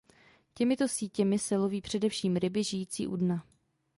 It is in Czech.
Těmito sítěmi se loví především ryby žijící u dna.